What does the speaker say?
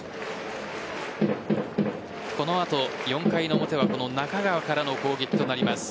この後、４回の表はこの中川からの攻撃となります。